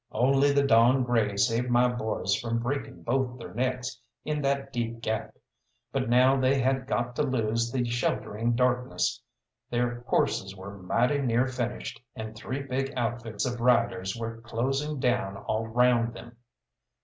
Only the dawn grey saved my boys from breaking both their necks in that deep gap, but now they had got to lose the sheltering darkness, their horses were mighty near finished, and three big outfits of riders were closing down all round them.